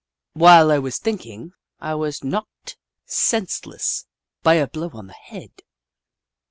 While I was thinking, I was knocked sense less by a blow on the head.